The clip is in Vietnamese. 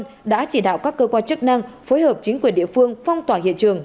quân đã chỉ đạo các cơ quan chức năng phối hợp chính quyền địa phương phong tỏa hiện trường